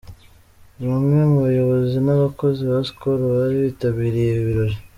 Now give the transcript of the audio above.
Bamwe mu bayobozi n'abakozi ba Skol bari bitabiriye ibi birori.